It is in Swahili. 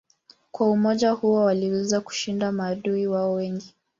Kwa umoja huo waliweza kushinda maadui wao wengi.